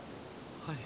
はい。